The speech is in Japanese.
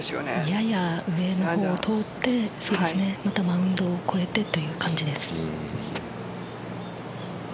やや上の方を通ってまたマウンドを越えてという感じです。